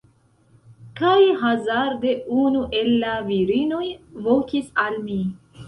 Kaj hazarde unu el la virinoj vokis al mi